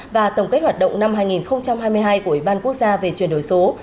và tổng kết hoạt động năm hai nghìn hai mươi hai của ủy ban quốc gia về chuyển đổi số